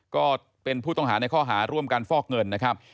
ก็เป็นผู้ต้องหาในข้อหาร่วมกันฟอกเงินนะครับ